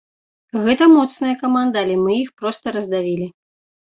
Гэта моцная каманда, але мы іх проста раздавілі.